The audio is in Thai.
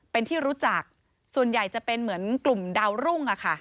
เป็นที่รู้จักส่วนใหญ่จะเป็นเหมือนกลุ่มดาวรุ่งอะค่ะ